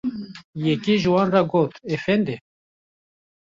Yekê ji wan got: Efendî!